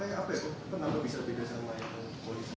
hanya menentukan harga jual sampai dihubungi mungkin ke returnya